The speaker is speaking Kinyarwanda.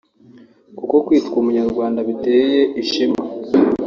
kuko kwitwa umunyarwanda biteye ishema